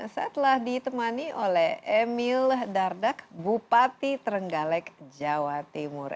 saya telah ditemani oleh emil dardak bupati trenggalek jawa timur